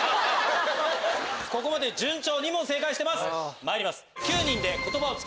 ここまで順調２問正解してますまいります。